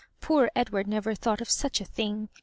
Poor Edward never thought of such a thing!